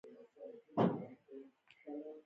پلورنځی د اقتصاد یوه مهمه برخه ده.